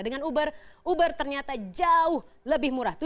dengan uber uber ternyata jauh lebih murah